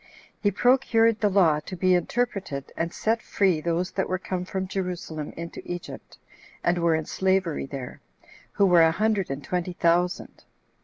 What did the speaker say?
He procured the law to be interpreted, and set free those that were come from Jerusalem into Egypt, and were in slavery there, who were a hundred and twenty thousand.